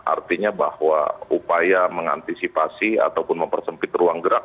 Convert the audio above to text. artinya bahwa upaya mengantisipasi ataupun mempersempit ruang gerak